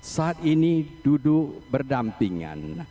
saat ini duduk berdampingan